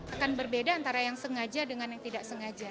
akan berbeda antara yang sengaja dengan yang tidak sengaja